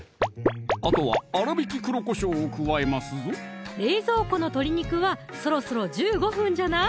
あとは粗びき黒こしょうを加えますぞ冷蔵庫の鶏肉はそろそろ１５分じゃない？